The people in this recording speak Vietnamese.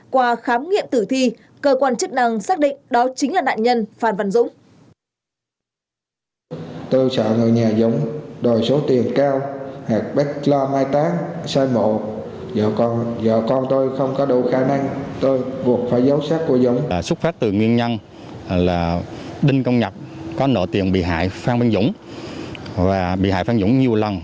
qua khám nghiệm tử thi cơ quan chức năng xác định đó chính là nạn nhân phan văn dũng